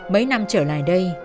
mấy năm trở lại đây